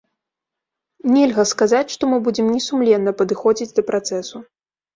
Нельга сказаць, што мы будзем несумленна падыходзіць да працэсу.